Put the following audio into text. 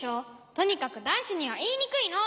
とにかくだんしにはいいにくいの！